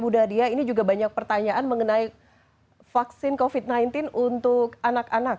bu nadia ini juga banyak pertanyaan mengenai vaksin covid sembilan belas untuk anak anak